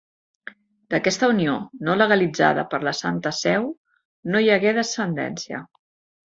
D'aquesta unió, no legalitzada per la Santa Seu, no hi hagué descendència.